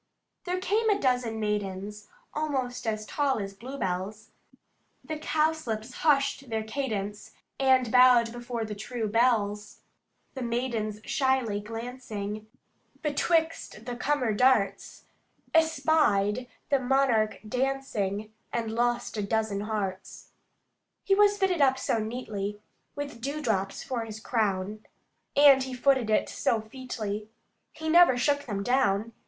There came a dozen maidens, Almost as tall as bluebells; The cowslips hushed their cadence, And bowed before the true belles: The maidens shyly glancing, betwixt the cummer darts, Espied the monarch dancing, and lost a dozen hearts. He was fitted up so neatly, With dewdrops for his crown, And he footed it so featly He never shook them down.